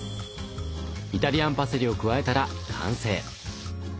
イタリアンパセリを加えたら完成。